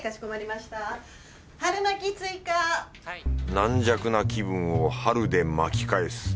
軟弱な気分を春で巻き返す。